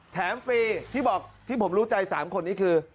ฟรีที่บอกที่ผมรู้ใจ๓คนนี้คือ